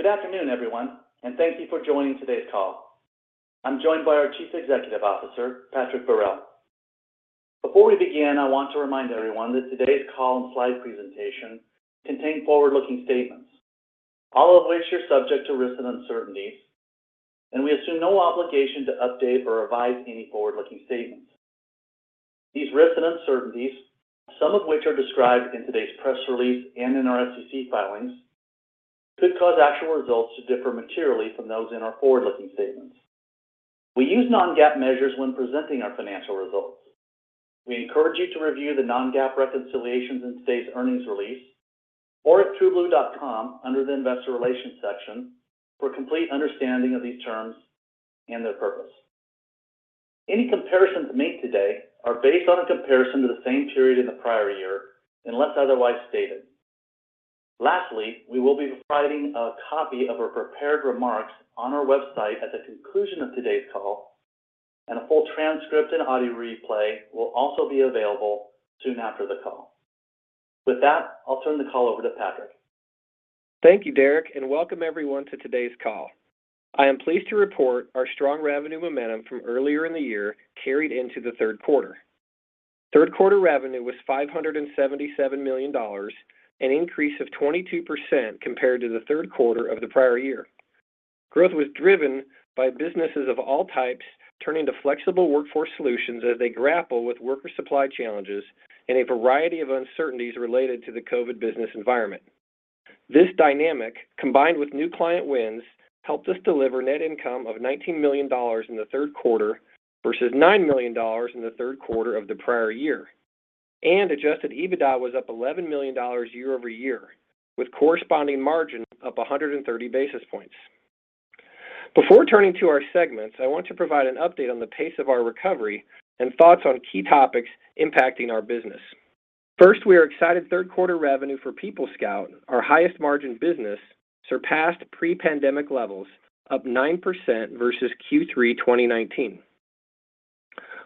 Good afternoon, everyone, and thank you for joining today's call. I'm joined by our Chief Executive Officer, Patrick Beharelle. Before we begin, I want to remind everyone that today's call and slide presentation contain forward-looking statements, all of which are subject to risks and uncertainties, and we assume no obligation to update or revise any forward-looking statements. These risks and uncertainties, some of which are described in today's press release and in our SEC filings, could cause actual results to differ materially from those in our forward-looking statements. We use non-GAAP measures when presenting our financial results. We encourage you to review the non-GAAP reconciliations in today's earnings release or at trueblue.com under the investor relations section for a complete understanding of these terms and their purpose. Any comparisons made today are based on a comparison to the same period in the prior year, unless otherwise stated. Lastly, we will be providing a copy of our prepared remarks on our website at the conclusion of today's call, and a full transcript and audio replay will also be available soon after the call. With that, I'll turn the call over to Patrick. Thank you, Derrek, and welcome everyone to today's call. I am pleased to report our strong revenue momentum from earlier in the year carried into the third quarter. Third quarter revenue was $577 million, an increase of 22% compared to the third quarter of the prior year. Growth was driven by businesses of all types turning to flexible workforce solutions as they grapple with worker supply challenges and a variety of uncertainties related to the COVID business environment. This dynamic, combined with new client wins, helped us deliver net income of $19 million in the third quarter versus $9 million in the third quarter of the prior year. Adjusted EBITDA was up $11 million year-over-year, with corresponding margin up 130 basis points. Before turning to our segments, I want to provide an update on the pace of our recovery and thoughts on key topics impacting our business. First, we are excited third quarter revenue for PeopleScout, our highest margin business, surpassed pre-pandemic levels up 9% versus Q3 2019.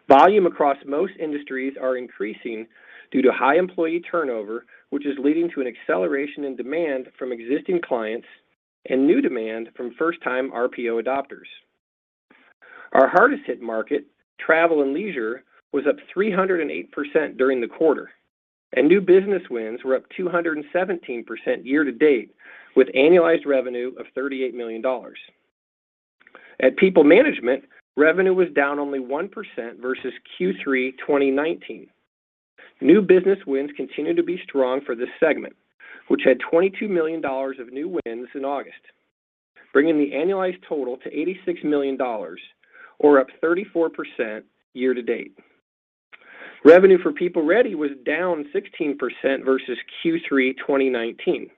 Volume across most industries are increasing due to high employee turnover, which is leading to an acceleration in demand from existing clients and new demand from first-time RPO adopters. Our hardest hit market, travel and leisure, was up 308% during the quarter. New business wins were up 217% year-to-date, with annualized revenue of $38 million. At PeopleManagement, revenue was down only 1% versus Q3 2019. New business wins continue to be strong for this segment, which had $22 million of new wins in August, bringing the annualized total to $86 million, or up 34% year-to-date. Revenue for PeopleReady was down 16% versus Q3 2019.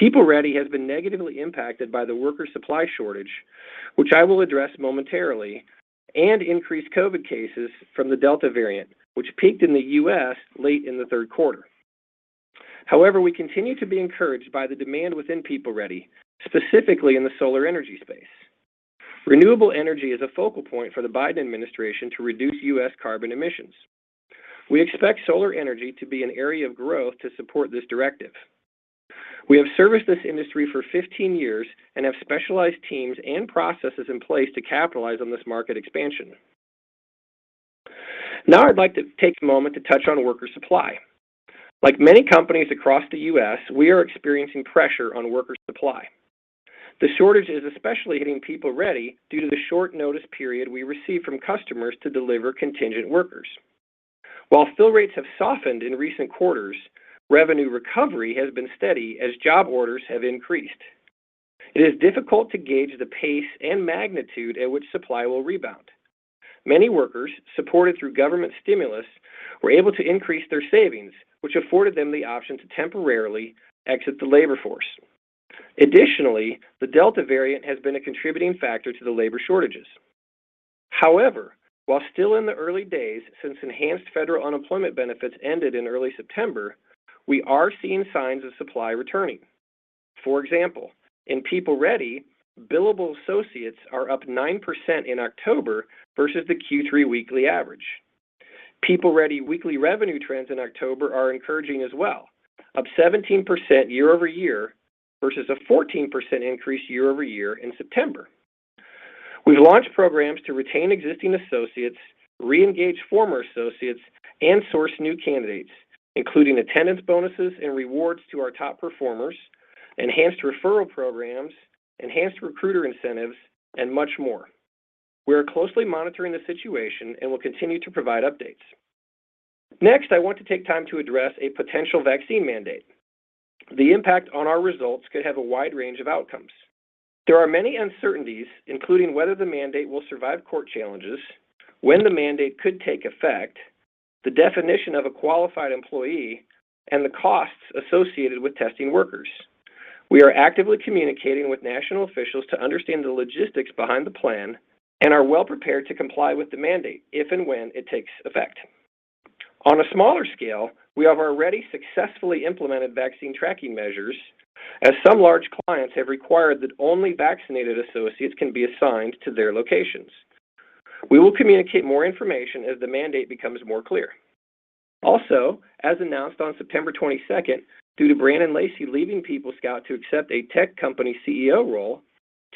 PeopleReady has been negatively impacted by the worker supply shortage, which I will address momentarily, and increased COVID cases from the Delta variant, which peaked in the US late in the third quarter. However, we continue to be encouraged by the demand within PeopleReady, specifically in the solar energy space. Renewable energy is a focal point for the Biden administration to reduce US carbon emissions. We expect solar energy to be an area of growth to support this directive. We have serviced this industry for 15 years and have specialized teams and processes in place to capitalize on this market expansion. Now I'd like to take a moment to touch on worker supply. Like many companies across the US, we are experiencing pressure on worker supply. The shortage is especially hitting PeopleReady due to the short notice period we receive from customers to deliver contingent workers. While fill rates have softened in recent quarters, revenue recovery has been steady as job orders have increased. It is difficult to gauge the pace and magnitude at which supply will rebound. Many workers, supported through government stimulus, were able to increase their savings, which afforded them the option to temporarily exit the labor force. Additionally, the Delta variant has been a contributing factor to the labor shortages. However, while still in the early days since enhanced federal unemployment benefits ended in early September, we are seeing signs of supply returning. For example, in PeopleReady, billable associates are up 9% in October versus the Q3 weekly average. PeopleReady weekly revenue trends in October are encouraging as well, up 17% year-over-year versus a 14% increase year-over-year in September. We've launched programs to retain existing associates, re-engage former associates, and source new candidates, including attendance bonuses and rewards to our top performers, enhanced referral programs, enhanced recruiter incentives, and much more. We are closely monitoring the situation and will continue to provide updates. I want to take time to address a potential vaccine mandate. The impact on our results could have a wide range of outcomes. There are many uncertainties, including whether the mandate will survive court challenges, when the mandate could take effect, the definition of a qualified employee, and the costs associated with testing workers. We are actively communicating with national officials to understand the logistics behind the plan and are well prepared to comply with the mandate if and when it takes effect. On a smaller scale, we have already successfully implemented vaccine tracking measures, as some large clients have required that only vaccinated associates can be assigned to their locations. We will communicate more information as the mandate becomes more clear. As announced on September 22nd, due to Brannon Lacey leaving PeopleScout to accept a tech company CEO role,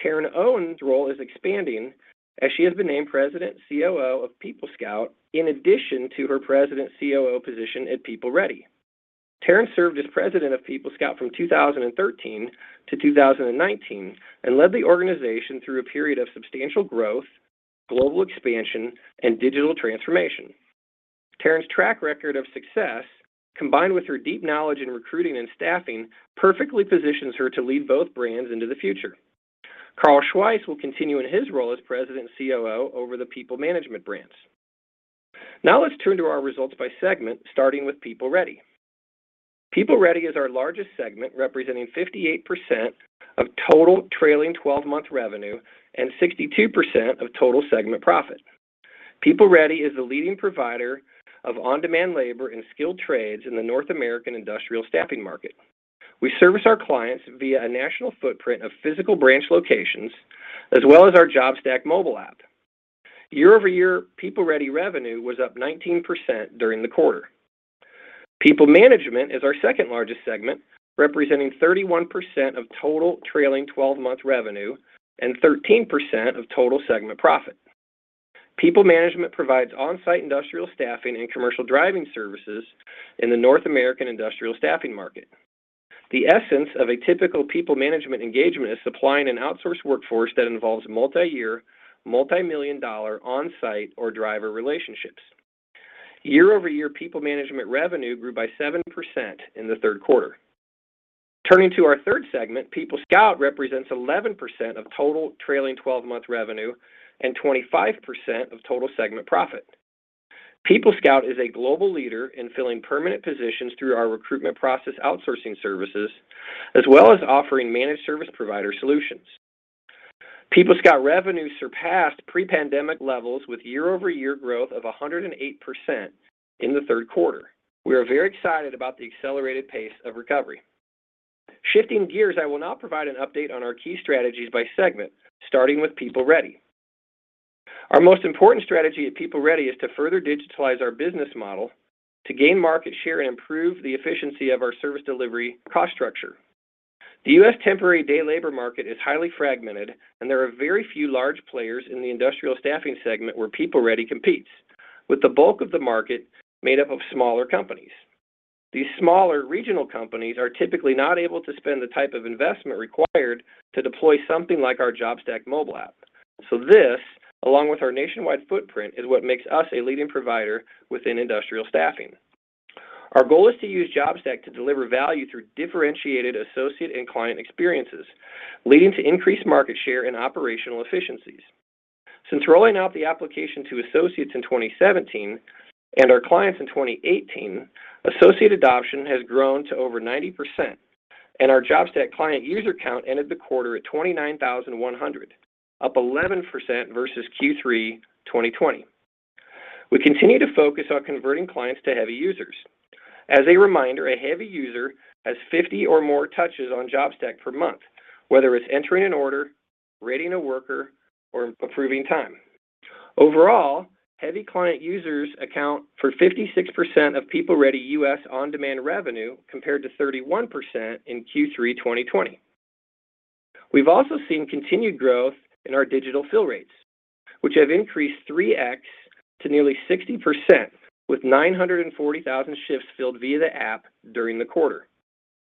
Taryn Owen's role is expanding as she has been named President COO of PeopleScout, in addition to her President COO position at PeopleReady. Taryn served as President of PeopleScout from 2013 to 2019 and led the organization through a period of substantial growth, global expansion, and digital transformation. Taryn's track record of success, combined with her deep knowledge in recruiting and staffing, perfectly positions her to lead both brands into the future. Carl Schweihs will continue in his role as President COO over the PeopleManagement brands. Now let's turn to our results by segment, starting with PeopleReady. PeopleReady is our largest segment, representing 58% of total trailing 12-month revenue and 62% of total segment profit. PeopleReady is the leading provider of on-demand labor and skilled trades in the North American industrial staffing market. We service our clients via a national footprint of physical branch locations, as well as our JobStack mobile app. Year over year, PeopleReady revenue was up 19% during the quarter. PeopleManagement is our second-largest segment, representing 31% of total trailing 12-month revenue and 13% of total segment profit. PeopleManagement provides on-site industrial staffing and commercial driving services in the North American industrial staffing market. The essence of a typical PeopleManagement engagement is supplying an outsourced workforce that involves multi-year, multimillion-dollar on-site or driver relationships. Year over year, PeopleManagement revenue grew by 7% in the third quarter. Turning to our third segment, PeopleScout represents 11% of total trailing 12-month revenue and 25% of total segment profit. PeopleScout is a global leader in filling permanent positions through our recruitment process outsourcing services, as well as offering managed service provider solutions. PeopleScout revenue surpassed pre-pandemic levels with year-over-year growth of 108% in the third quarter. We are very excited about the accelerated pace of recovery. Shifting gears, I will now provide an update on our key strategies by segment, starting with PeopleReady. Our most important strategy at PeopleReady is to further digitalize our business model to gain market share and improve the efficiency of our service delivery cost structure. The US temporary day labor market is highly fragmented, and there are very few large players in the industrial staffing segment where PeopleReady competes, with the bulk of the market made up of smaller companies. These smaller regional companies are typically not able to spend the type of investment required to deploy something like our JobStack mobile app. This, along with our nationwide footprint, is what makes us a leading provider within industrial staffing. Our goal is to use JobStack to deliver value through differentiated associate and client experiences, leading to increased market share and operational efficiencies. Since rolling out the application to associates in 2017 and our clients in 2018, associate adoption has grown to over 90%, and our JobStack client user count ended the quarter at 29,100, up 11% versus Q3 2020. We continue to focus on converting clients to heavy users. As a reminder, a heavy user has 50 or more touches on JobStack per month, whether it's entering an order, rating a worker, or approving time. Overall, heavy client users account for 56% of PeopleReady US on-demand revenue, compared to 31% in Q3 2020. We've also seen continued growth in our digital fill rates, which have increased 3x to nearly 60%, with 940,000 shifts filled via the app during the quarter.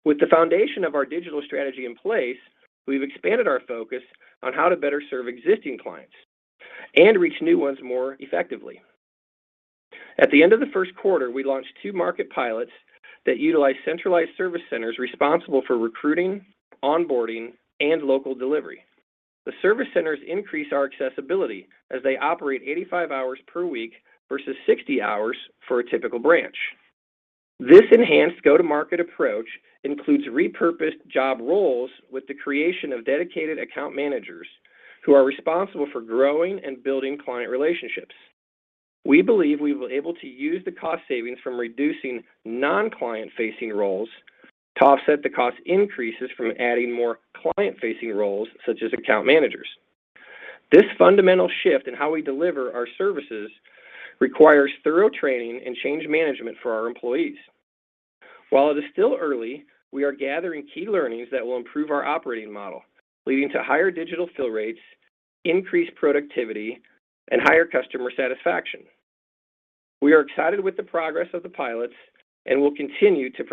With the foundation of our digital strategy in place, we've expanded our focus on how to better serve existing clients and reach new ones more effectively. At the end of the first quarter, we launched two market pilots that utilize centralized service centers responsible for recruiting, onboarding, and local delivery. The service centers increase our accessibility as they operate 85 hours per week versus 60 hours for a typical branch. This enhanced go-to-market approach includes repurposed job roles with the creation of dedicated account managers who are responsible for growing and building client relationships. We believe we were able to use the cost savings from reducing non-client-facing roles to offset the cost increases from adding more client-facing roles, such as account managers. This fundamental shift in how we deliver our services requires thorough training and change management for our employees. While it is still early, we are gathering key learnings that will improve our operating model, leading to higher digital fill rates, increased productivity, and higher customer satisfaction. We are excited with the progress of the pilots and will continue to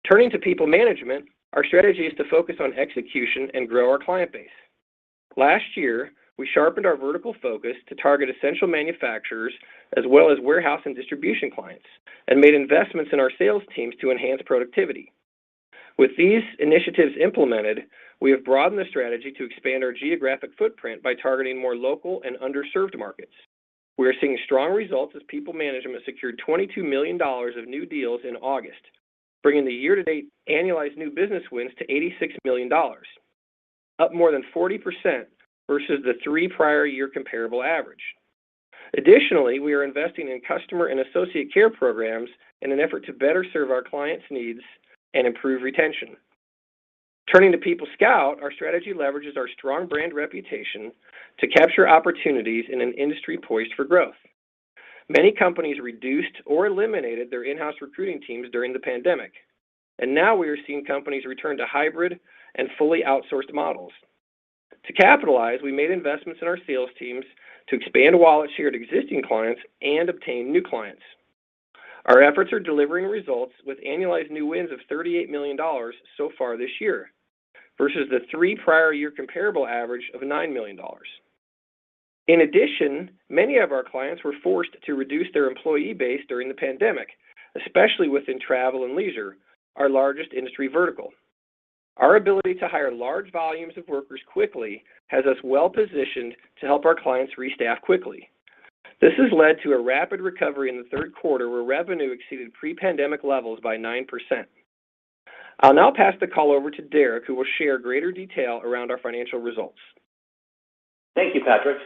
provide updates. Turning to PeopleManagement, our strategy is to focus on execution and grow our client base. Last year, we sharpened our vertical focus to target essential manufacturers as well as warehouse and distribution clients and made investments in our sales teams to enhance productivity. With these initiatives implemented, we have broadened the strategy to expand our geographic footprint by targeting more local and underserved markets. We are seeing strong results as PeopleManagement secured $22 million of new deals in August, bringing the year-to-date annualized new business wins to $86 million, up more than 40% versus the three prior year comparable average. Additionally, we are investing in customer and associate care programs in an effort to better serve our clients' needs and improve retention. Turning to PeopleScout, our strategy leverages our strong brand reputation to capture opportunities in an industry poised for growth. Many companies reduced or eliminated their in-house recruiting teams during the pandemic, and now we are seeing companies return to hybrid and fully outsourced models. To capitalize, we made investments in our sales teams to expand wallets share at existing clients and obtain new clients. Our efforts are delivering results with annualized new wins of $38 million so far this year, versus the three prior year comparable average of $9 million. In addition, many of our clients were forced to reduce their employee base during the pandemic, especially within travel and leisure, our largest industry vertical. Our ability to hire large volumes of workers quickly has us well-positioned to help our clients restaff quickly. This has led to a rapid recovery in the third quarter, where revenue exceeded pre-pandemic levels by 9%. I'll now pass the call over to Derrek, who will share greater detail around our financial results. Thank you, Patrick.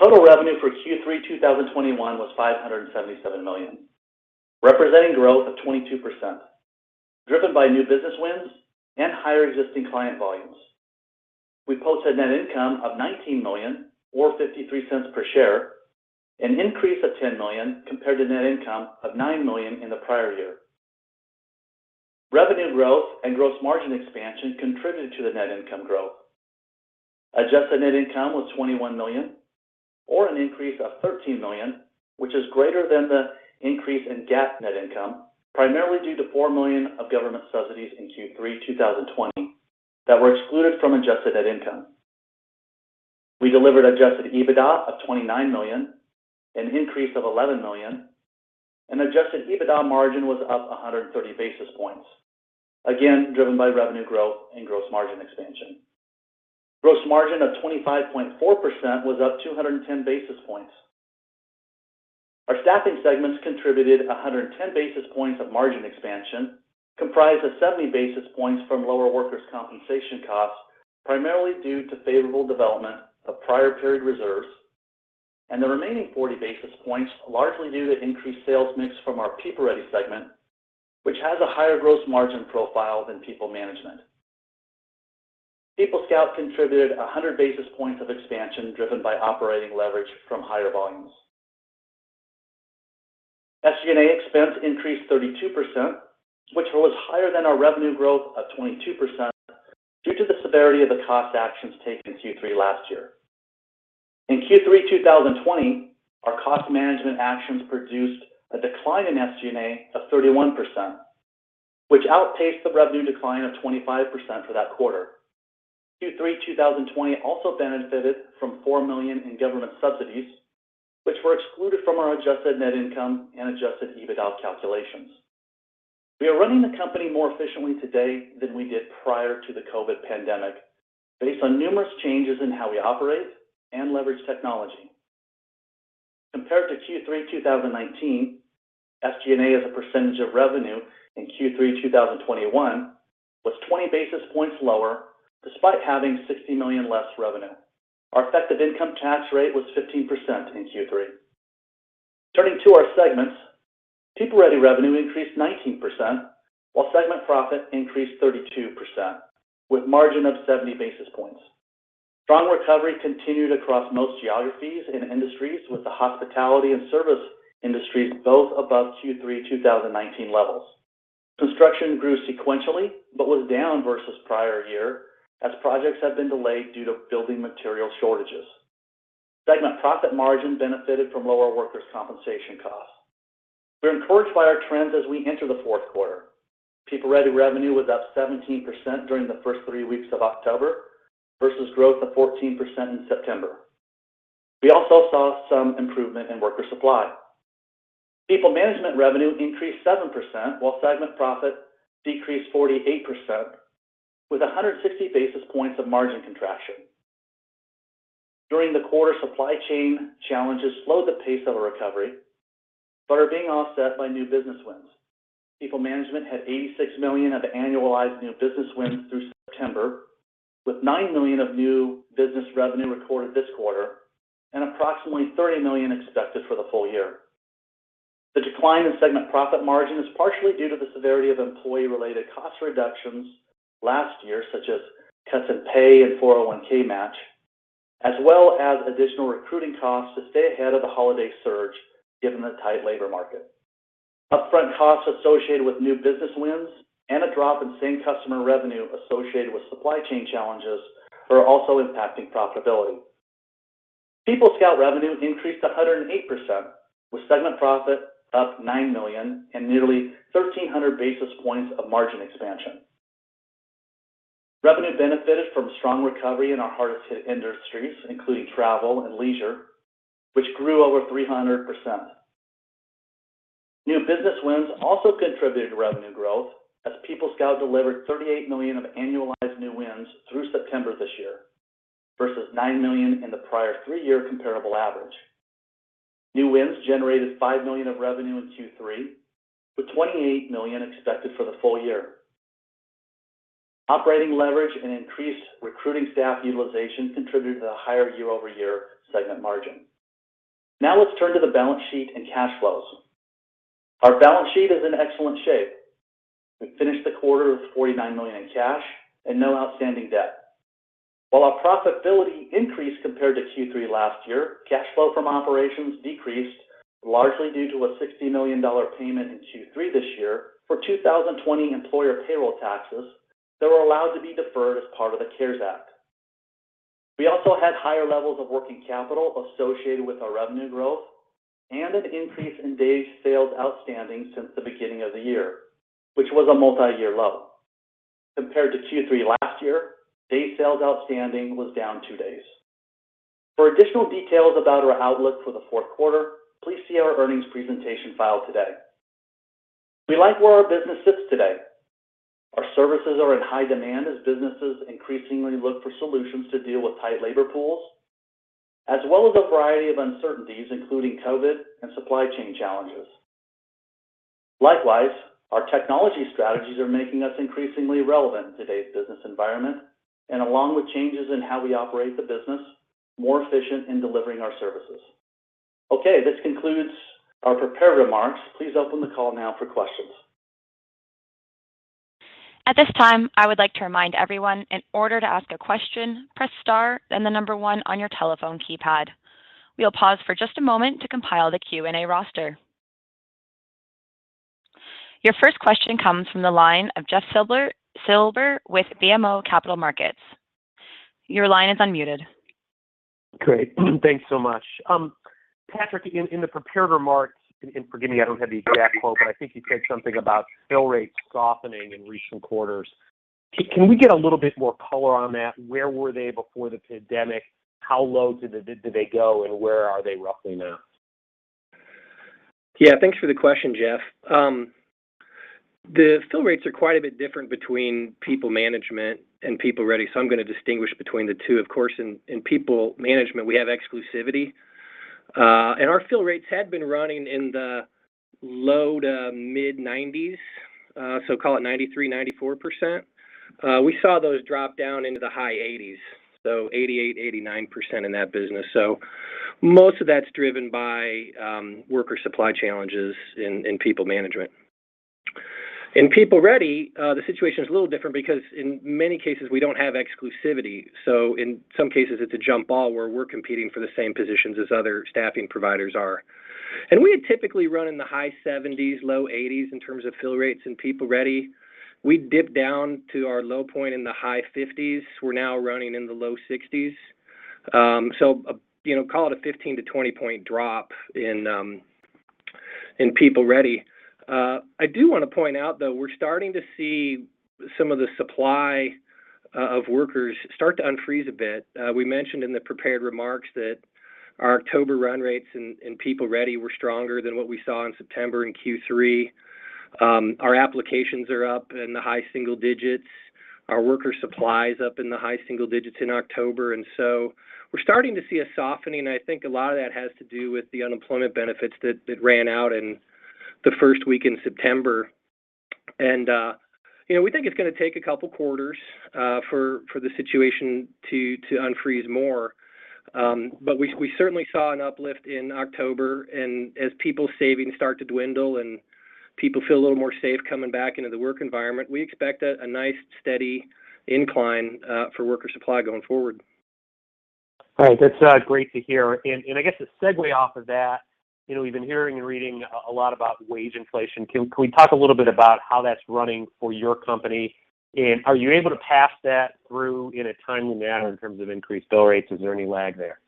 Total revenue for Q3 2021 was $577 million, representing growth of 22%, driven by new business wins and higher existing client volumes. We posted net income of $19 million or $0.53 per share, an increase of $10 million compared to net income of $9 million in the prior year. Revenue growth and gross margin expansion contributed to the net income growth. Adjusted net income was $21 million, or an increase of $13 million, which is greater than the increase in GAAP net income, primarily due to $4 million of government subsidies in Q3 2020 that were excluded from adjusted net income. We delivered adjusted EBITDA of $29 million, an increase of $11 million, and adjusted EBITDA margin was up 130 basis points, again, driven by revenue growth and gross margin expansion. Gross margin of 25.4% was up 210 basis points. Our staffing segments contributed 110 basis points of margin expansion, comprised of 70 basis points from lower workers' compensation costs, primarily due to favorable development of prior period reserves, and the remaining 40 basis points, largely due to increased sales mix from our PeopleReady segment, which has a higher gross margin profile than PeopleManagement. PeopleScout contributed 100 basis points of expansion driven by operating leverage from higher volumes. SG&A expense increased 32%, which was higher than our revenue growth of 22% due to the severity of the cost actions taken in Q3 last year. In Q3 2020, our cost management actions produced a decline in SG&A of 31%, which outpaced the revenue decline of 25% for that quarter. Q3 2020 also benefited from $4 million in government subsidies, which were excluded from our adjusted net income and adjusted EBITDA calculations. We are running the company more efficiently today than we did prior to the COVID pandemic, based on numerous changes in how we operate and leverage technology. Compared to Q3 2019, SG&A as a percentage of revenue in Q3 2021 was 20 basis points lower despite having $60 million less revenue. Our effective income tax rate was 15% in Q3. Turning to our segments, PeopleReady revenue increased 19%, while segment profit increased 32%, with margin of 70 basis points. Strong recovery continued across most geographies and industries, with the hospitality and service industries both above Q3 2019 levels. Construction grew sequentially but was down versus prior year as projects have been delayed due to building material shortages. Segment profit margin benefited from lower workers' compensation costs. We're encouraged by our trends as we enter the fourth quarter. PeopleReady revenue was up 17% during the first three weeks of October versus growth of 14% in September. We also saw some improvement in worker supply. PeopleManagement revenue increased 7%, while segment profit decreased 48%, with 160 basis points of margin contraction. During the quarter, supply chain challenges slowed the pace of a recovery but are being offset by new business wins. PeopleManagement had $86 million of annualized new business wins through September, with $9 million of new business revenue recorded this quarter and approximately $30 million expected for the full year. The decline in segment profit margin is partially due to the severity of employee-related cost reductions last year, such as cuts in pay and 401(k) match, as well as additional recruiting costs to stay ahead of the holiday surge given the tight labor market. Upfront costs associated with new business wins and a drop in same customer revenue associated with supply chain challenges are also impacting profitability. PeopleScout revenue increased 108%, with segment profit up $9 million and nearly 1,300 basis points of margin expansion. Revenue benefited from strong recovery in our hardest hit industries, including travel and leisure, which grew over 300%. New business wins also contributed to revenue growth as PeopleScout delivered $38 million of annualized new wins through September this year versus $9 million in the prior three-year comparable average. New wins generated $5 million of revenue in Q3, with $28 million expected for the full year. Operating leverage and increased recruiting staff utilization contributed to the higher year-over-year segment margin. Let's turn to the balance sheet and cash flows. Our balance sheet is in excellent shape. We finished the quarter with $49 million in cash and no outstanding debt. While our profitability increased compared to Q3 last year, cash flow from operations decreased largely due to a $60 million payment in Q3 this year for 2020 employer payroll taxes that were allowed to be deferred as part of the CARES Act. We also had higher levels of working capital associated with our revenue growth and an increase in days sales outstanding since the beginning of the year, which was a multi-year low. Compared to Q3 last year, days sales outstanding was down two days. For additional details about our outlook for the fourth quarter, please see our earnings presentation filed today. We like where our business sits today. Our services are in high demand as businesses increasingly look for solutions to deal with tight labor pools, as well as a variety of uncertainties, including COVID and supply chain challenges. Likewise, our technology strategies are making us increasingly relevant in today's business environment, and along with changes in how we operate the business, more efficient in delivering our services. Okay. This concludes our prepared remarks. Please open the call now for questions. At this time, I would like to remind everyone, in order to ask a question, press star, then one on your telephone keypad. We'll pause for just a moment to compile the Q&A roster. Your first question comes from the line of Jeffrey Silber with BMO Capital Markets. Your line is unmuted. Great. Thanks so much. Patrick, in the prepared remarks, forgive me, I don't have the exact quote, but I think you said something about fill rates softening in recent quarters. Can we get a little bit more color on that? Where were they before the pandemic? How low did they go, and where are they roughly now? Yeah. Thanks for the question, Jeff. The fill rates are quite a bit different between PeopleManagement and PeopleReady, so I'm going to distinguish between the two. Of course, in PeopleManagement, we have exclusivity. Our fill rates had been running in the low to mid-90s, so call it 93%, 94%. We saw those drop down into the high 80s, so 88%, 89% in that business. Most of that's driven by worker supply challenges in PeopleManagement. In PeopleReady, the situation is a little different because in many cases, we don't have exclusivity, so in some cases, it's a jump ball where we're competing for the same positions as other staffing providers are. We had typically run in the high 70s, low 80s in terms of fill rates in PeopleReady. We dipped down to our low point in the high 50s. We're now running in the low 60s. Call it a 15-20 point drop in PeopleReady. I do want to point out, though, we're starting to see some of the supply of workers start to unfreeze a bit. We mentioned in the prepared remarks that our October run rates in PeopleReady were stronger than what we saw in September and Q3. Our applications are up in the high single digits. Our worker supply is up in the high single digits in October. We're starting to see a softening. I think a lot of that has to do with the unemployment benefits that ran out in the first week in September. We think it's going to take two quarters for the situation to unfreeze more. We certainly saw an uplift in October, and as people's savings start to dwindle and people feel a little more safe coming back into the work environment, we expect a nice, steady incline for worker supply going forward. All right. That's great to hear. I guess to segue off of that, we've been hearing and reading a lot about wage inflation. Can we talk a little bit about how that's running for your company? Are you able to pass that through in a timely manner in terms of increased bill rates? Is there any lag there?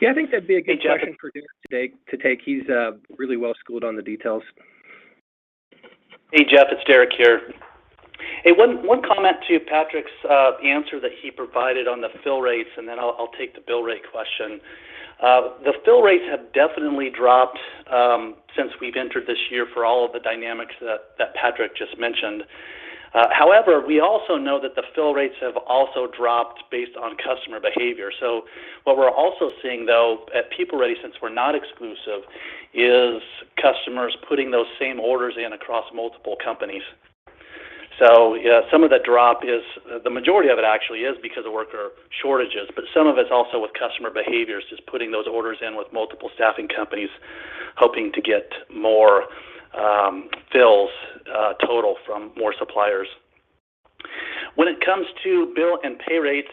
Yeah, I think that'd be a good question. Hey, Jeffrey. for Derrek to take. He's really well-schooled on the details. Hey, Jeff. It's Derrek here. One comment to Patrick's answer that he provided on the fill rates, then I'll take the bill rate question. The fill rates have definitely dropped since we've entered this year for all of the dynamics that Patrick just mentioned. We also know that the fill rates have also dropped based on customer behavior. What we're also seeing, though, at PeopleReady, since we're not exclusive, is customers putting those same orders in across multiple companies. Yeah, some of the drop is, the majority of it actually is because of worker shortages, but some of it's also with customer behaviors, just putting those orders in with multiple staffing companies, hoping to get more fills total from more suppliers. When it comes to bill and pay rates,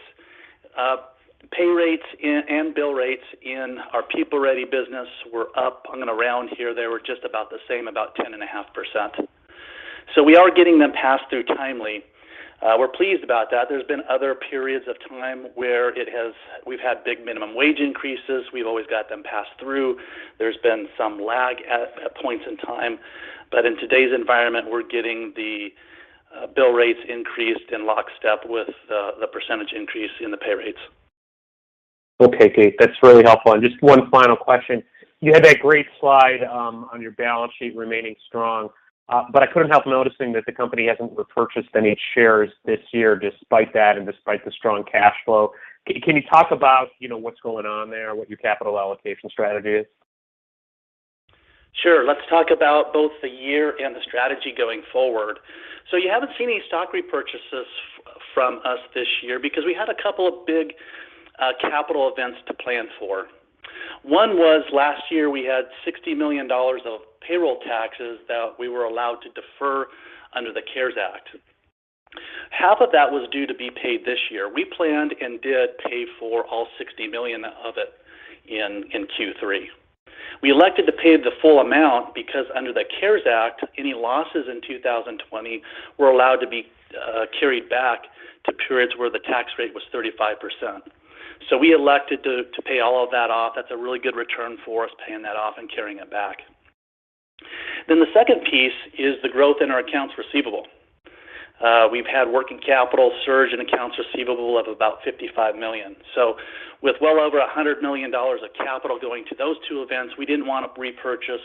pay rates and bill rates in our PeopleReady business were up, I'm going to round here, they were just about the same, about 10.5%. We are getting them passed through timely. We're pleased about that. There's been other periods of time where we've had big minimum wage increases. We've always got them passed through. There's been some lag at points in time. In today's environment, we're getting the bill rates increased in lockstep with the percentage increase in the pay rates. Okay. Great. That's really helpful. Just one final question. You had that great slide on your balance sheet remaining strong. I couldn't help noticing that the company hasn't repurchased any shares this year despite that, and despite the strong cash flow. Can you talk about what's going on there, what your capital allocation strategy is? Sure. Let's talk about both the year and the strategy going forward. You haven't seen any stock repurchases From us this year, because we had a couple of big capital events to plan for. One was last year we had $60 million of payroll taxes that we were allowed to defer under the CARES Act. Half of that was due to be paid this year. We planned and did pay for all $60 million of it in Q3. We elected to pay the full amount because under the CARES Act, any losses in 2020 were allowed to be carried back to periods where the tax rate was 35%. We elected to pay all of that off. That's a really good return for us, paying that off and carrying it back. The second piece is the growth in our accounts receivable. We've had working capital surge in accounts receivable of about $55 million. With well over $100 million of capital going to those two events, we didn't want to repurchase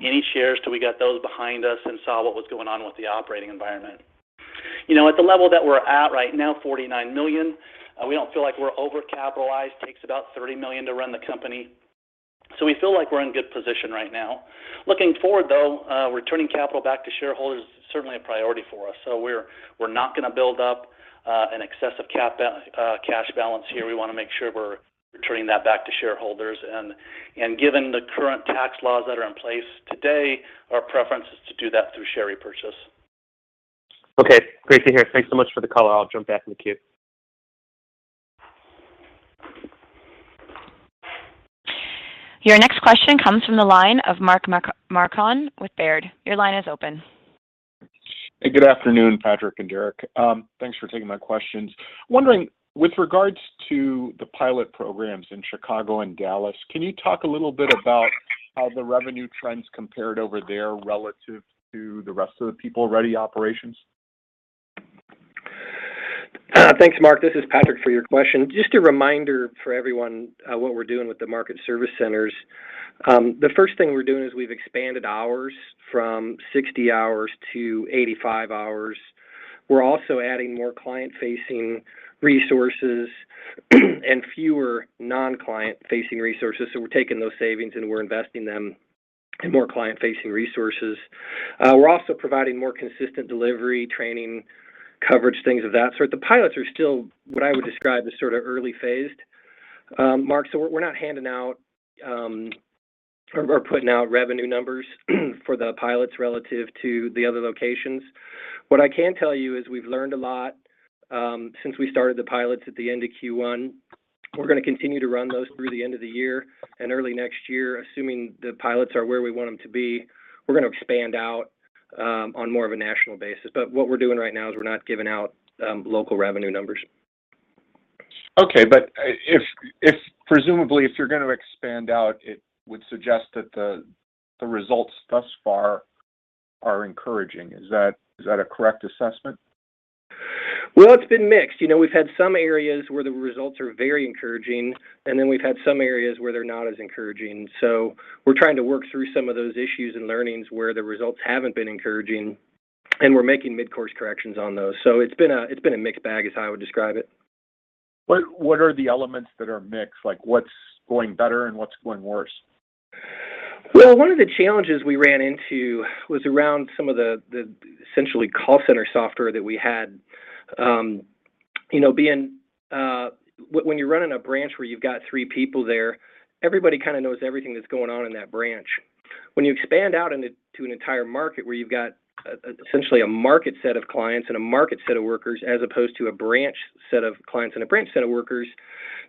any shares till we got those behind us and saw what was going on with the operating environment. At the level that we're at right now, $49 million, we don't feel like we're over-capitalized. Takes about $30 million to run the company. We feel like we're in a good position right now. Looking forward, though, returning capital back to shareholders is certainly a priority for us. We're not going to build up an excessive cash balance here. We want to make sure we're returning that back to shareholders. Given the current tax laws that are in place today, our preference is to do that through share repurchase. Okay. Great to hear. Thanks so much for the call. I'll jump back in the queue. Your next question comes from the line of Mark Marcon with Baird. Your line is open. Hey, good afternoon, Patrick and Derrek. Thanks for taking my questions. Wondering with regards to the pilot programs in Chicago and Dallas, can you talk a little bit about how the revenue trends compared over there relative to the rest of the PeopleReady operations? Thanks, Mark. This is Patrick for your question. A reminder for everyone, what we're doing with the market service centers. The first thing we're doing is we've expanded hours from 60 hours to 85 hours. We're also adding more client-facing resources and fewer non-client-facing resources. We're taking those savings and we're investing them in more client-facing resources. We're also providing more consistent delivery, training, coverage, things of that sort. The pilots are still what I would describe as sort of early phased, Mark. We're not putting out revenue numbers for the pilots relative to the other locations. What I can tell you is we've learned a lot since we started the pilots at the end of Q1. We're going to continue to run those through the end of the year and early next year. Assuming the pilots are where we want them to be, we're going to expand out on more of a national basis. What we're doing right now is we're not giving out local revenue numbers. Presumably, if you're going to expand out, it would suggest that the results thus far are encouraging. Is that a correct assessment? Well, it's been mixed. We've had some areas where the results are very encouraging, and then we've had some areas where they're not as encouraging. We're trying to work through some of those issues and learnings where the results haven't been encouraging, and we're making mid-course corrections on those. It's been a mixed bag, is how I would describe it. What are the elements that are mixed? What is going better and what is going worse? Well, one of the challenges we ran into was around some of the essentially call center software that we had. When you're running a branch where you've got three people there, everybody kind of knows everything that's going on in that branch. When you expand out to an entire market where you've got essentially a market set of clients and a market set of workers, as opposed to a branch set of clients and a branch set of workers,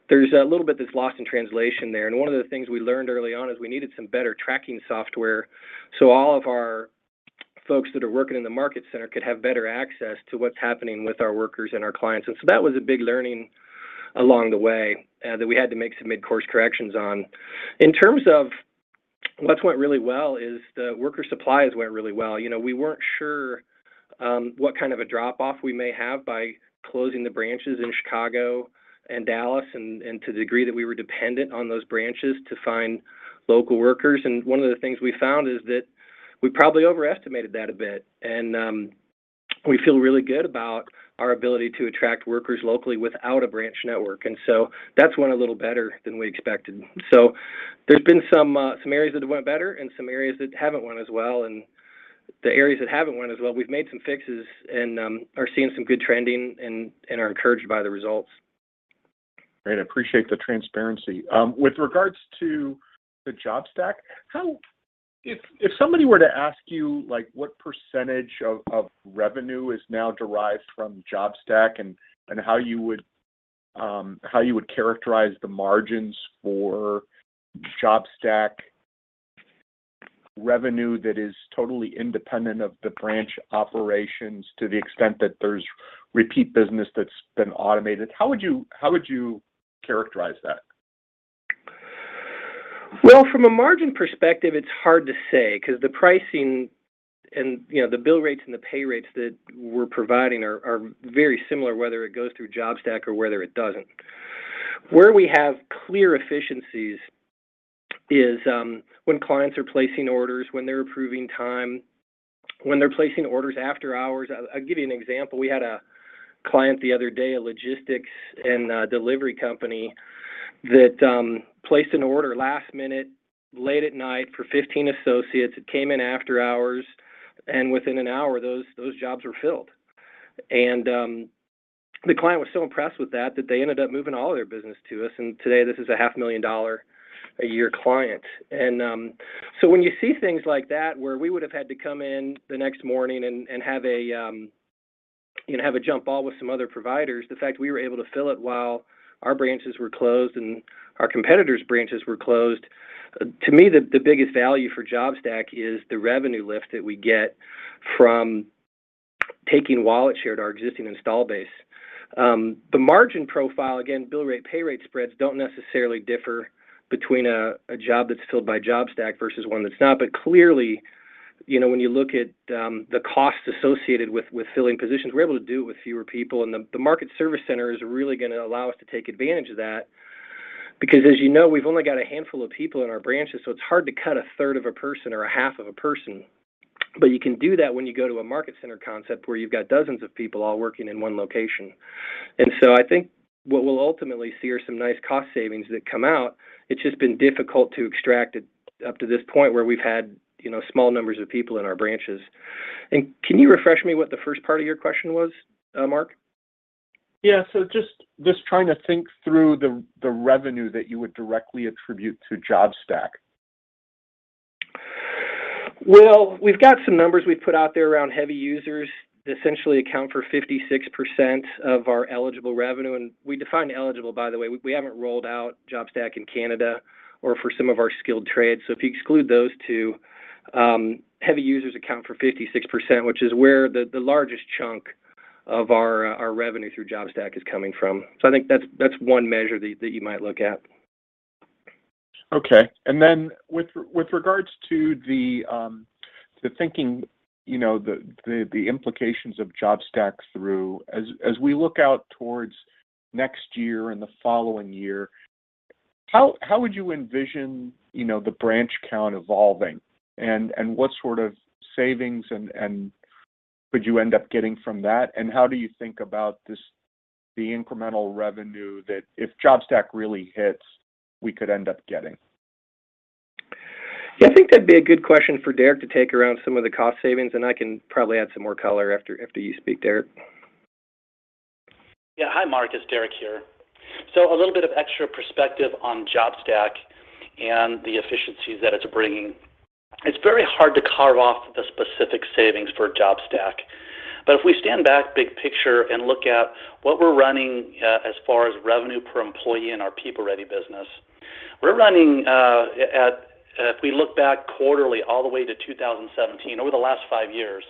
there's a little bit that's lost in translation there. One of the things we learned early on is we needed some better tracking software, so all of our folks that are working in the market center could have better access to what's happening with our workers and our clients. That was a big learning along the way that we had to make some mid-course corrections on. In terms of what's went really well is the worker supplies went really well. We weren't sure what kind of a drop-off we may have by closing the branches in Chicago and Dallas, and to the degree that we were dependent on those branches to find local workers. One of the things we found is that we probably overestimated that a bit, and we feel really good about our ability to attract workers locally without a branch network. That's went a little better than we expected. There's been some areas that went better and some areas that haven't went as well. The areas that haven't went as well, we've made some fixes and are seeing some good trending and are encouraged by the results. Great. I appreciate the transparency. With regards to the JobStack, if somebody were to ask you what percentage of revenue is now derived from JobStack, and how you would characterize the margins for JobStack revenue that is totally independent of the branch operations to the extent that there's repeat business that's been automated, how would you characterize that? Well, from a margin perspective, it's hard to say, because the pricing and the bill rates and the pay rates that we're providing are very similar, whether it goes through JobStack or whether it doesn't. Where we have clear efficiencies is when clients are placing orders, when they're approving time, when they're placing orders after hours. I'll give you an example. We had a client the other day, a logistics and delivery company that placed an order last minute, late at night for 15 associates. It came in after hours, and within an hour, those jobs were filled. The client was so impressed with that they ended up moving all their business to us, and today this is a $500,000 a-year client. When you see things like that, where we would've had to come in the next morning and have a jump ball with some other providers, the fact we were able to fill it while our branches were closed and our competitors' branches were closed, to me, the biggest value for JobStack is the revenue lift that we get from taking wallet share to our existing install base. The margin profile, again, bill rate, pay rate spreads don't necessarily differ between a job that's filled by JobStack versus one that's not. Clearly, when you look at the costs associated with filling positions, we're able to do it with fewer people, and the market service center is really going to allow us to take advantage of that, because as you know, we've only got a handful of people in our branches, so it's hard to cut a third of a person or a half of a person. You can do that when you go to a market center concept where you've got dozens of people all working in one location. I think what we'll ultimately see are some nice cost savings that come out. It's just been difficult to extract it up to this point where we've had small numbers of people in our branches. Can you refresh me what the first part of your question was, Mark? Yeah, just trying to think through the revenue that you would directly attribute to JobStack. Well, we've got some numbers we've put out there around heavy users, essentially account for 56% of our eligible revenue. We define eligible, by the way, we haven't rolled out JobStack in Canada or for some of our skilled trades. If you exclude those two, heavy users account for 56%, which is where the largest chunk of our revenue through JobStack is coming from. I think that's one measure that you might look at. Okay. With regards to the thinking, the implications of JobStack through, as we look out towards next year and the following year, how would you envision the branch count evolving? What sort of savings could you end up getting from that, and how do you think about the incremental revenue that if JobStack really hits, we could end up getting? Yeah, I think that'd be a good question for Derrek to take around some of the cost savings, and I can probably add some more color after you speak, Derrek. Yeah. Hi, Mark. It's Derrek here. A little bit of extra perspective on JobStack and the efficiencies that it's bringing. It's very hard to carve off the specific savings for JobStack. If we stand back big picture and look at what we're running as far as revenue per employee in our PeopleReady business, we're running at, if we look back quarterly all the way to 2017, over the last five years,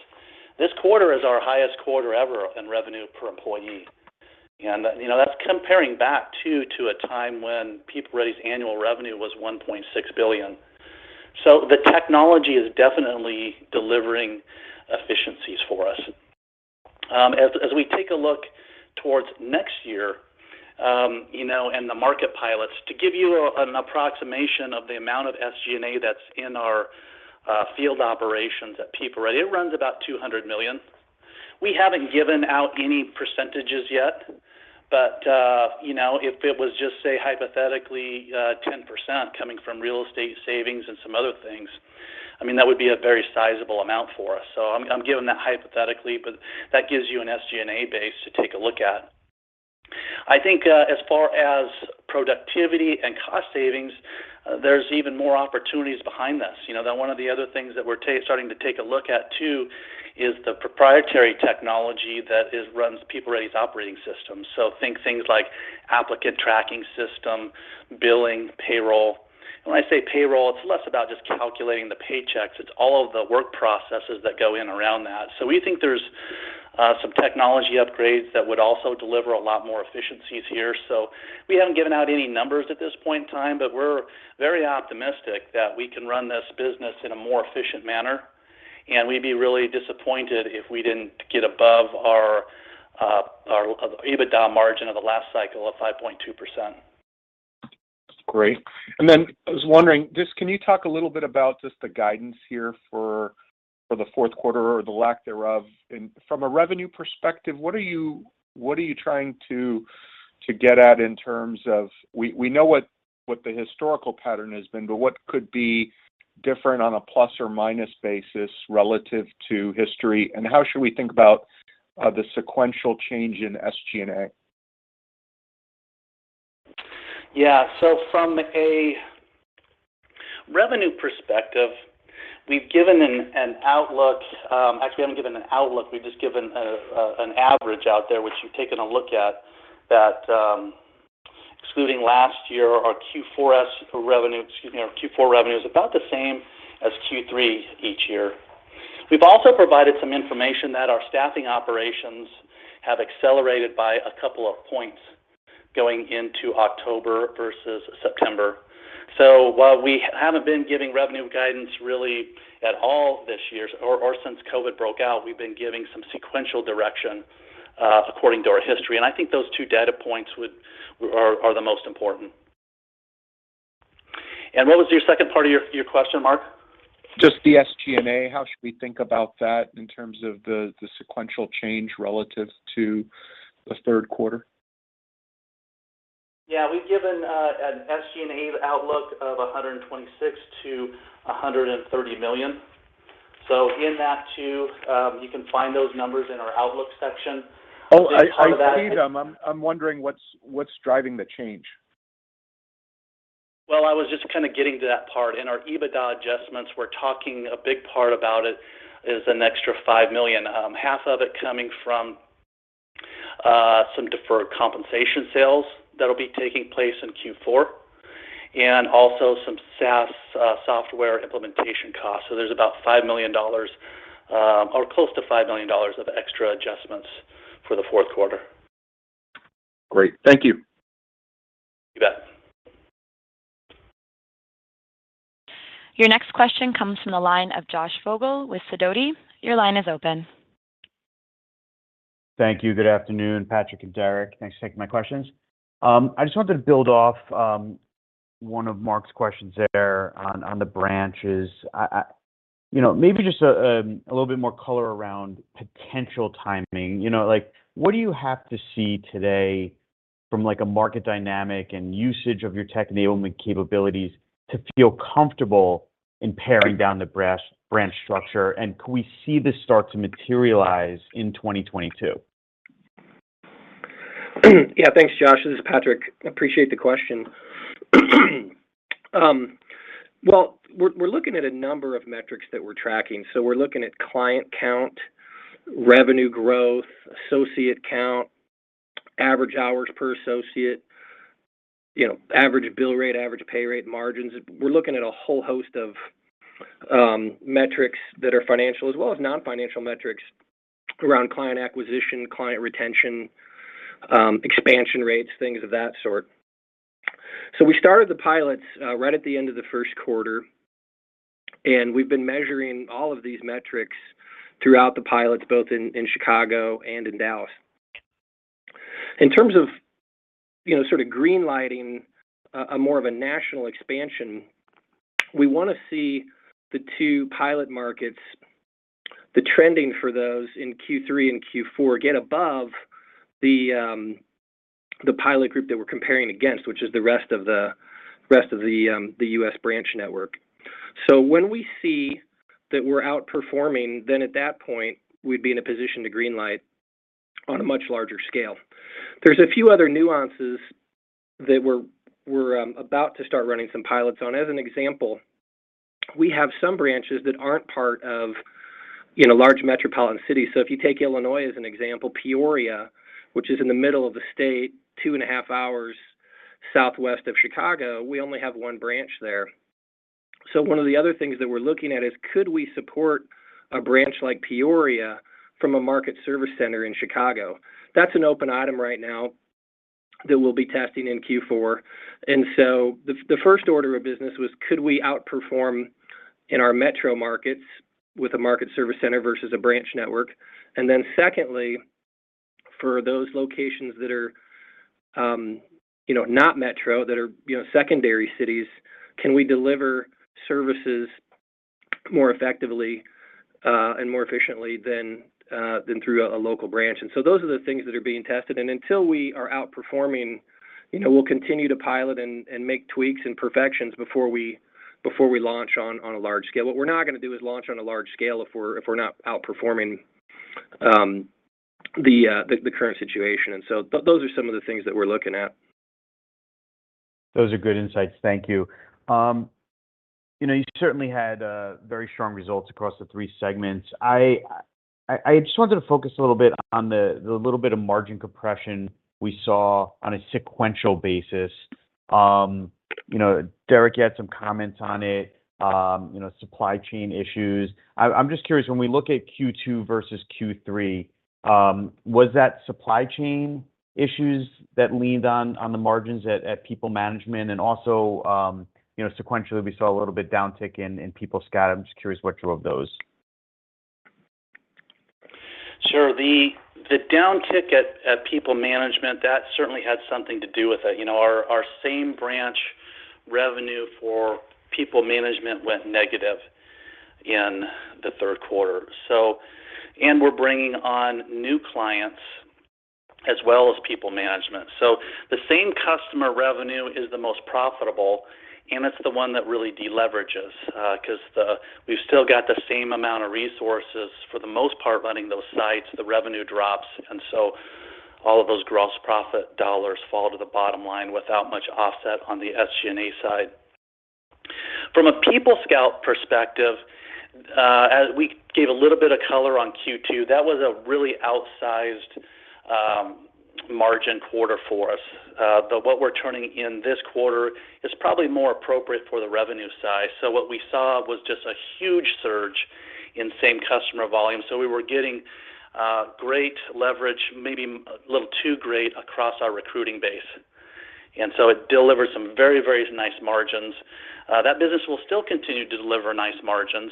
this quarter is our highest quarter ever in revenue per employee. That's comparing back, too, to a time when PeopleReady's annual revenue was $1.6 billion. The technology is definitely delivering efficiencies for us. We take a look towards next year, and the market pilots, to give you an approximation of the amount of SG&A that's in our field operations at PeopleReady, it runs about $200 million. We haven't given out any percentages yet, but if it was just, say, hypothetically, 10% coming from real estate savings and some other things, that would be a very sizable amount for us. I'm giving that hypothetically, but that gives you an SG&A base to take a look at. I think as far as productivity and cost savings, there's even more opportunities behind this. One of the other things that we're starting to take a look at, too, is the proprietary technology that runs PeopleReady's operating system. Think things like applicant tracking system, billing, payroll. When I say payroll, it's less about just calculating the paychecks, it's all of the work processes that go in around that. We think there's some technology upgrades that would also deliver a lot more efficiencies here. We haven't given out any numbers at this point in time, but we're very optimistic that we can run this business in a more efficient manner, and we'd be really disappointed if we didn't get above our EBITDA margin of the last cycle of 5.2%. Great. I was wondering, just can you talk a little bit about just the guidance here for the fourth quarter or the lack thereof? From a revenue perspective, what are you trying to get at in terms of, we know what the historical pattern has been, but what could be different on a plus or minus basis relative to history, and how should we think about the sequential change in SG&A? Yeah. From a revenue perspective, we've given an outlook. Actually, we haven't given an outlook, we've just given an average out there, which you've taken a look at, that excluding last year, our Q4 revenue is about the same as Q3 each year. We've also provided some information that our staffing operations have accelerated by two points going into October versus September. While we haven't been giving revenue guidance really at all this year, or since COVID broke out, we've been giving some sequential direction according to our history. I think those two data points are the most important. What was your second part of your question, Mark? Just the SG&A. How should we think about that in terms of the sequential change relative to the third quarter? Yeah. We've given an SG&A outlook of $126 million-$130 million. In that too, you can find those numbers in our outlook section. Oh, I see them. I'm wondering what's driving the change. I was just getting to that part. In our EBITDA adjustments, we're talking a big part about it is an extra $5 million. Half of it coming from some deferred compensation sales that'll be taking place in Q4, and also some SaaS software implementation costs. There's about close to $5 million of extra adjustments for the fourth quarter. Great. Thank you. You bet. Your next question comes from the line of Josh Vogel with Sidoti. Your line is open. Thank you. Good afternoon, Patrick and Derrek. Thanks for taking my questions. I just wanted to build off one of Mark's questions there on the branches. Just a little bit more color around potential timing. What do you have to see today from a market dynamic and usage of your tech enablement capabilities to feel comfortable in paring down the branch structure? Could we see this start to materialize in 2022? Yeah, thanks, Josh. This is Patrick. Appreciate the question. Well, we're looking at a number of metrics that we're tracking. We're looking at client count, revenue growth, associate count, average hours per associate, average bill rate, average pay rate, margins. We're looking at a whole host of metrics that are financial as well as non-financial metrics around client acquisition, client retention, expansion rates, things of that sort. We started the pilots right at the end of the first quarter, and we've been measuring all of these metrics throughout the pilots, both in Chicago and in Dallas. In terms of green lighting a more of a national expansion, we want to see the two pilot markets, the trending for those in Q3 and Q4 get above the pilot group that we're comparing against, which is the rest of the US branch network. When we see that we're outperforming, then at that point, we'd be in a position to green-light on a much larger scale. There's a few other nuances that we're about to start running some pilots on. As an example, we have some branches that aren't part of large metropolitan cities. If you take Illinois as an example, Peoria, which is in the middle of the state, 2.5 Hours southwest of Chicago, we only have one branch there. One of the other things that we're looking at is could we support a branch like Peoria from a market service center in Chicago? That's an open item right now that we'll be testing in Q4. The first order of business was could we outperform in our metro markets with a market service center versus a branch network? Secondly, for those locations that are not metro, that are secondary cities, can we deliver services more effectively and more efficiently than through a local branch? Those are the things that are being tested. Until we are outperforming, we'll continue to pilot and make tweaks and perfections before we launch on a large scale. What we're not going to do is launch on a large scale if we're not outperforming the current situation. Those are some of the things that we're looking at. Those are good insights. Thank you. You certainly had very strong results across the three segments. I just wanted to focus a little bit on the little bit of margin compression we saw on a sequential basis. Derrek had some comments on it, supply chain issues. I'm just curious, when we look at Q2 versus Q3, was that supply chain issues that leaned on the margins at PeopleManagement? Sequentially, we saw a little bit downtick in PeopleScout. I'm just curious what drove those. Sure. The downtick at PeopleManagement, that certainly had something to do with it. Our same branch revenue for PeopleManagement went negative in the third quarter. We're bringing on new clients as well as PeopleManagement. The same customer revenue is the most profitable, and it's the one that really de-leverages. Because we've still got the same amount of resources for the most part running those sites, the revenue drops, and so all of those gross profit dollars fall to the bottom line without much offset on the SG&A side. From a PeopleScout perspective, as we gave a little bit of color on Q2, that was a really outsized margin quarter for us. What we're turning in this quarter is probably more appropriate for the revenue size. What we saw was just a huge surge in same customer volume. We were getting great leverage, maybe a little too great, across our recruiting base. It delivered some very nice margins. That business will still continue to deliver nice margins.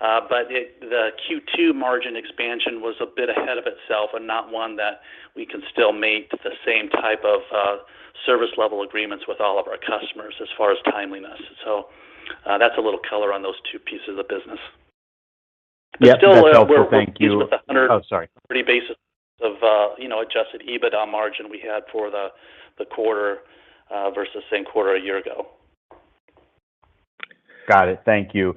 The Q2 margin expansion was a bit ahead of itself and not one that we can still meet the same type of service level agreements with all of our customers as far as timeliness. That's a little color on those two pieces of the business. Yeah, that's helpful. Thank you. Oh, sorry. Still, we're pleased with the 130 basis of adjusted EBITDA margin we had for the quarter versus same quarter a year ago. Got it. Thank you.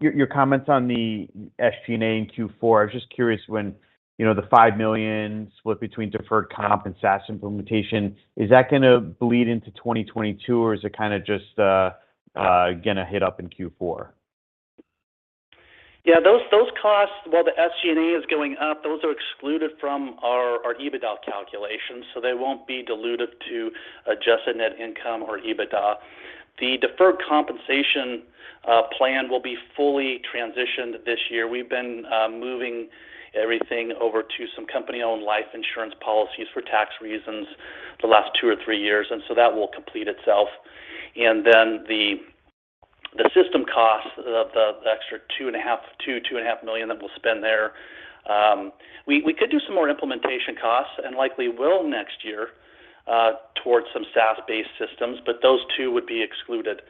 Your comments on the SG&A in Q4, I was just curious when the $5 million split between deferred comp and SaaS implementation, is that going to bleed into 2022 or is it just going to hit up in Q4? Those costs, while the SG&A is going up, those are excluded from our EBITDA calculations, so they won't be dilutive to adjusted net income or EBITDA. The deferred compensation plan will be fully transitioned this year. We've been moving everything over to some company-owned life insurance policies for tax reasons for the last two or three years, that will complete itself. The system cost, the extra $2.5 million that we'll spend there. We could do some more implementation costs, likely will next year towards some SaaS-based systems, those two would be excluded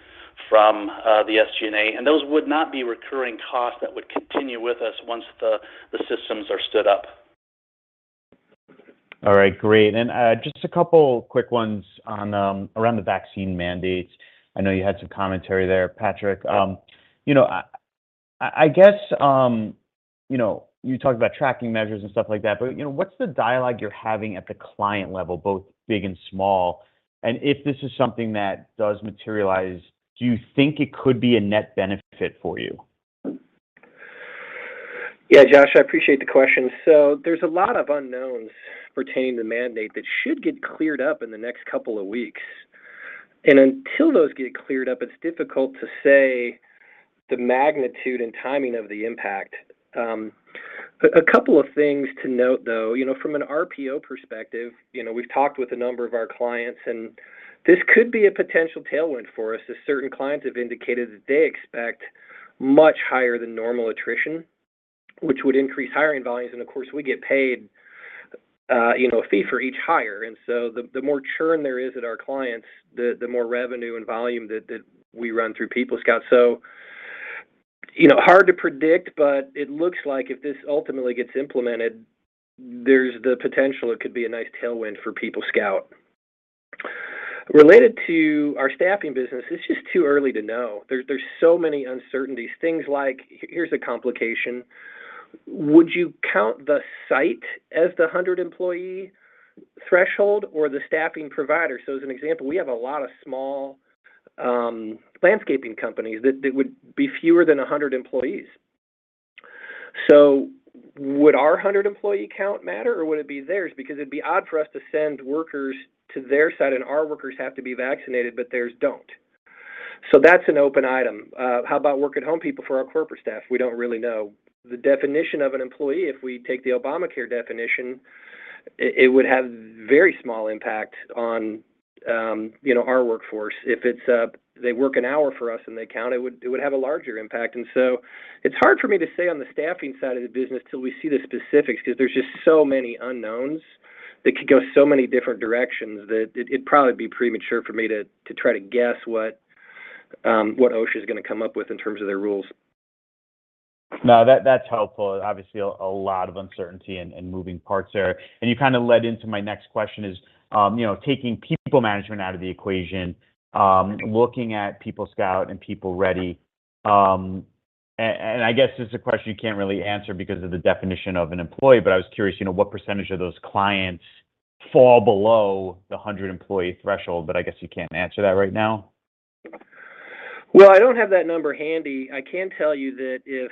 from the SG&A, those would not be recurring costs that would continue with us once the systems are stood up. All right, great. Just a couple quick ones around the vaccine mandates. I know you had some commentary there, Patrick. I guess, you talked about tracking measures and stuff like that, but what's the dialogue you're having at the client level, both big and small? If this is something that does materialize, do you think it could be a net benefit for you? Yeah. Josh, I appreciate the question. There's a lot of unknowns pertaining to the mandate that should get cleared up in the next couple of weeks. Until those get cleared up, it's difficult to say the magnitude and timing of the impact. A couple of things to note, though. From an RPO perspective, we've talked with a number of our clients, and this could be a potential tailwind for us as certain clients have indicated that they expect much higher than normal attrition, which would increase hiring volumes, and of course, we get paid a fee for each hire. The more churn there is at our clients, the more revenue and volume that we run through PeopleScout. Hard to predict, but it looks like if this ultimately gets implemented, there's the potential it could be a nice tailwind for PeopleScout. Related to our staffing business, it's just too early to know. There's so many uncertainties. Things like, here's a complication. Would you count the site as the 100-employee threshold or the staffing provider? As an example, we have a lot of small landscaping companies that would be fewer than 100 employees. Would our 100-employee count matter, or would it be theirs? Because it'd be odd for us to send workers to their site and our workers have to be vaccinated, but theirs don't. That's an open item. How about work-at-home people for our corporate staff? We don't really know. The definition of an employee, if we take the Obamacare definition, it would have very small impact on our workforce. If they work 1 hour for us and they count, it would have a larger impact. It's hard for me to say on the staffing side of the business till we see the specifics, because there's just so many unknowns that could go so many different directions that it'd probably be premature for me to try to guess what OSHA is going to come up with in terms of their rules. No, that's helpful. Obviously, a lot of uncertainty and moving parts there. You kind of led into my next question is, taking PeopleManagement out of the equation, looking at PeopleScout and PeopleReady, I guess this is a question you can't really answer because of the definition of an employee, but I was curious, what percent of those clients fall below the 100-employee threshold? I guess you can't answer that right now. Well, I don't have that number handy. I can tell you that if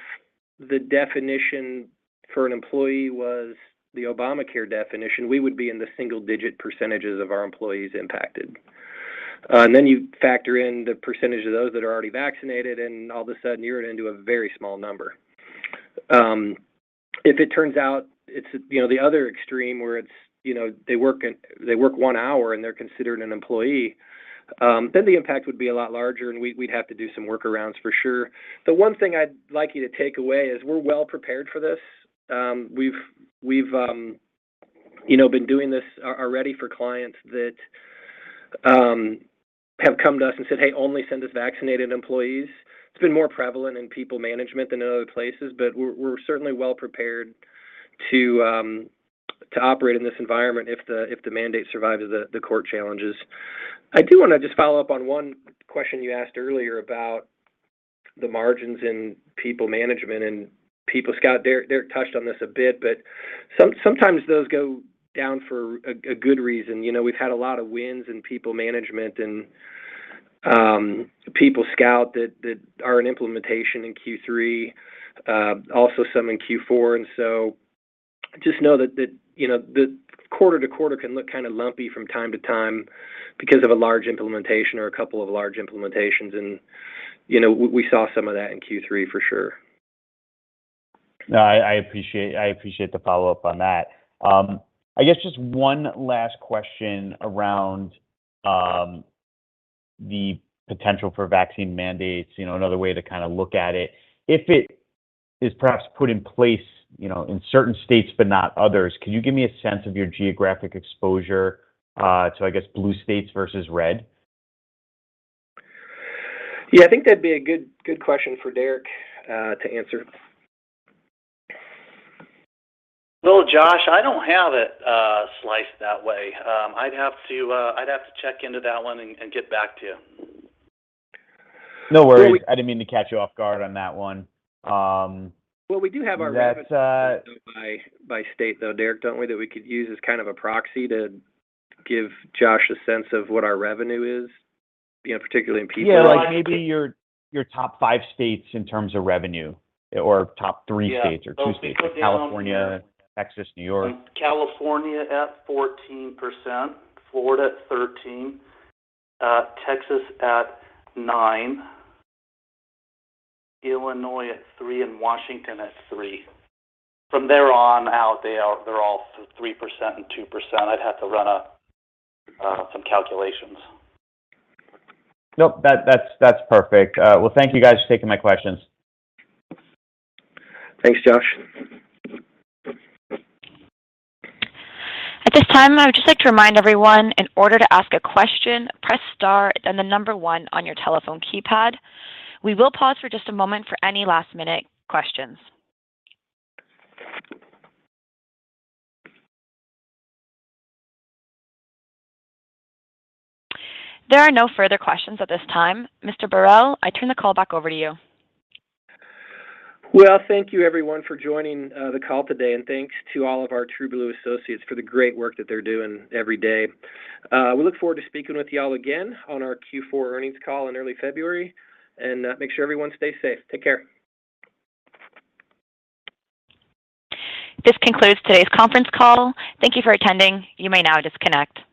the definition for an employee was the Obamacare definition, we would be in the single-digit percentages of our employees impacted. You factor in the percentage of those that are already vaccinated, and all of a sudden, you're into a very small number. If it turns out it's the other extreme, where they work one hour and they're considered an employee, then the impact would be a lot larger, and we'd have to do some workarounds for sure. The one thing I'd like you to take away is we're well prepared for this. We've been doing this already for clients that have come to us and said, "Hey, only send us vaccinated employees." It's been more prevalent in PeopleManagement than in other places, but we're certainly well prepared to operate in this environment if the mandate survives the court challenges. I do want to just follow up on one question you asked earlier about the margins in PeopleManagement and PeopleScout. Derrek touched on this a bit, but sometimes those go down for a good reason. We've had a lot of wins in PeopleManagement and PeopleScout that are in implementation in Q3, also some in Q4, and so just know that the quarter-to-quarter can look kind of lumpy from time to time because of a large implementation or a couple of large implementations, and we saw some of that in Q3 for sure. No, I appreciate the follow-up on that. I guess just one last question around the potential for vaccine mandates, another way to look at it. If it is perhaps put in place in certain states but not others, can you give me a sense of your geographic exposure to, I guess, blue states versus red? Yeah. I think that'd be a good question for Derrek to answer. Well, Josh, I don't have it sliced that way. I'd have to check into that one and get back to you. No worries. I didn't mean to catch you off guard on that one. Well, we do have our revenue split though by state, though, Derrek, don't we, that we could use as a proxy to give Josh a sense of what our revenue is, particularly in PeopleScout? Yeah, like maybe your top five states in terms of revenue, or top three states or two states. Like California, Texas, New York. California at 14%, Florida at 13%, Texas at 9%, Illinois at 3%, and Washington at 3%. From there on out, they're all 3% and 2%. I'd have to run up some calculations. Nope. That's perfect. Well, thank you guys for taking my questions. Thanks, Josh. At this time, I would just like to remind everyone, in order to ask a question, press star and the number one on your telephone keypad. We will pause for just a moment for any last-minute questions. There are no further questions at this time. Mr. Beharelle, I turn the call back over to you. Thank you everyone for joining the call today, and thanks to all of our TrueBlue associates for the great work that they're doing every day. We look forward to speaking with you all again on our Q4 earnings call in early February, and make sure everyone stays safe. Take care. This concludes today's conference call. Thank you for attending. You may now disconnect.